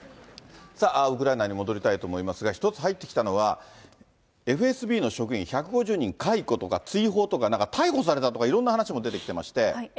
さあ、ウクライナに戻りたいと思いますが、一つ入ってきたのは、ＦＳＢの職員、１５０人逮捕とか追放とか、なんか逮捕されたとかいろんな話も出てきてまして。